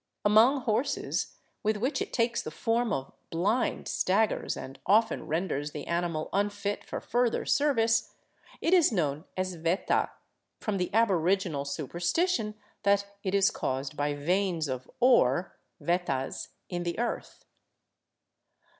Among horses, with which it takes the form of blind staggers and often renders the animal unfit for further service, it is 333 VAGABONDING DOWN THE ANDES known as veta, from the aboriginal superstition that it is caused b}; veins of ore (vetas) in the earth.